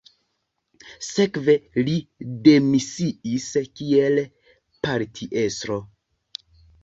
Sekve li demisiis kiel partiestro.